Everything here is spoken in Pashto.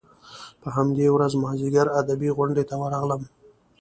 په همدې ورځ مازیګر ادبي غونډې ته ورغلم.